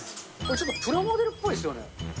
ちょっとプラモデルっぽいですよね。